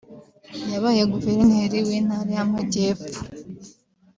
yabaye Guverineri w’Intara y’Amajyepfo